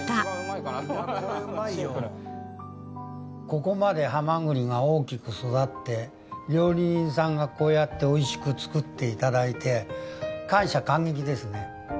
ここまでハマグリが大きく育って料理人さんがこうやっておいしく作って頂いて感謝感激ですね。